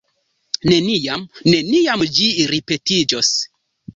Neniam, neniam ĝi ripetiĝos!